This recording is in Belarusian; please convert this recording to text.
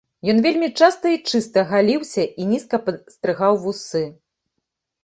Ён вельмі часта і чыста галіўся і нізка падстрыгаў вусы.